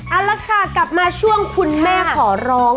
เอาละค่ะกลับมาช่วงคุณแม่ขอร้อง